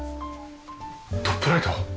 トップライト？